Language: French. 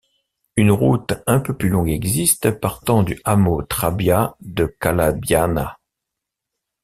Une route un peu plus longue existe, partant du hameau Trabbia de Callabiana.